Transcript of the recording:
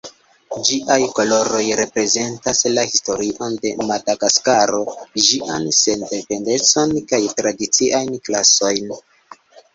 Ĝiaj koloroj reprezentas la historion de Madagaskaro, ĝian sendependecon kaj tradiciajn klasojn.